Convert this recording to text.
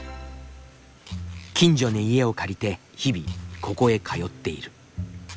近所に家を借りて日々ここへ通っている。